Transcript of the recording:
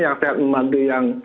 yang sehat membantu yang